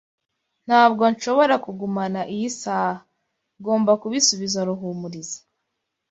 Ntabwo nshobora kugumana iyi saha. Ngomba kubisubiza Ruhumuriza.